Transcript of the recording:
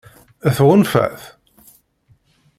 Tɣunfa-t?